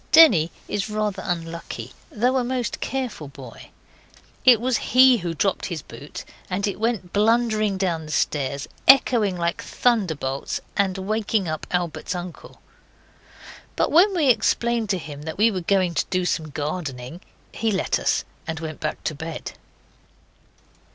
Denny is rather unlucky, though a most careful boy. It was he who dropped his boot, and it went blundering down the stairs, echoing like thunderbolts, and waking up Albert's uncle. But when we explained to him that we were going to do some gardening he let us, and went back to bed.